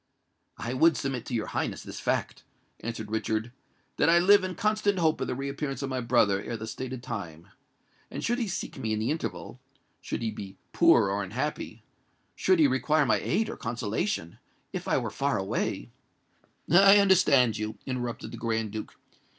"I would submit to your Highness this fact," answered Richard,—"that I live in constant hope of the reappearance of my brother ere the stated time; and should he seek me in the interval—should he be poor or unhappy—should he require my aid or consolation—if I were far away——" "I understand you," interrupted the Grand Duke.